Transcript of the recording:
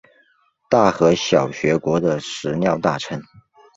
大和小学国的食料大臣。